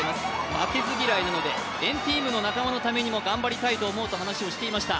負けず嫌いなので＆ＴＥＡＭの仲間のためにも頑張りたいと話していました。